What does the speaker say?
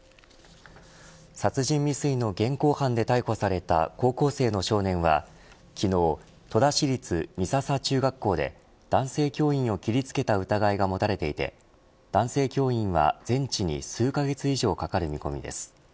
殺人未遂の現行犯で逮捕された高校生の少年は昨日、戸田市立美笹中学校で男性教員を切りつけた疑いが持たれていて男性教員は、全治に数カ月以上かかる見込みです。